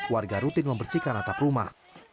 warga rutin membersihkan atap rumah